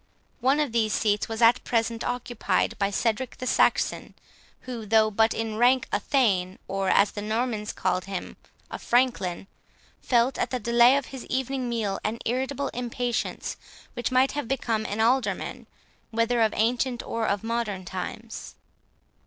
One of these seats was at present occupied by Cedric the Saxon, who, though but in rank a thane, or, as the Normans called him, a Franklin, felt, at the delay of his evening meal, an irritable impatience, which might have become an alderman, whether of ancient or of modern times.